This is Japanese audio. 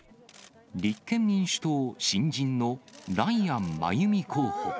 立憲民主党新人のライアン真由美候補。